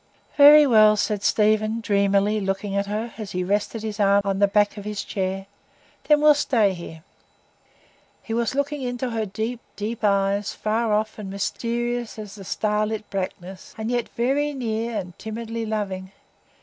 "Very well," said Stephen, dreamily, looking at her, as he rested his arm on the back of his chair. "Then we'll stay here." He was looking into her deep, deep eyes, far off and mysterious at the starlit blackness, and yet very near, and timidly loving.